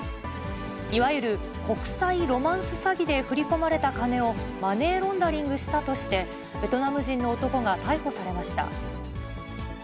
いわゆる国際ロマンス詐欺で振り込まれた金を、マネーロンダリングしたとして、ベトナム人の男が逮捕されました。